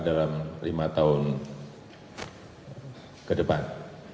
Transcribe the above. dalam lima tahun ke depan